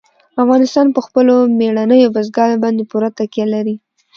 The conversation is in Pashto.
افغانستان په خپلو مېړنیو بزګانو باندې پوره تکیه لري.